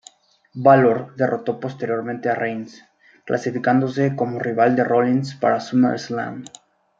Bálor derrotó posteriormente a Reigns, clasificándose como rival de Rollins para SummerSlam.